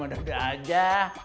aduh aduh aja